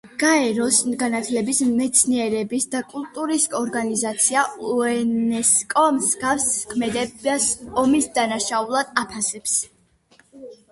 გაეროს განათლების, მეცნიერების და კულტურის ორგანიზაცია იუნესკო მსგავს ქმედებას ომის დანაშაულად აფასებს.